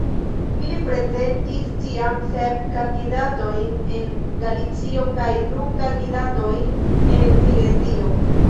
Ili prezentis tiam sep kandidatojn en Galicio kaj du kandidatojn en Silezio.